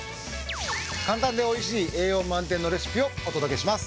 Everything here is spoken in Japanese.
簡単で美味しい栄養満点のレシピをお届けします。